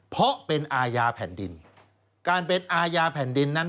เพราะเป็นอาญาแผ่นดิน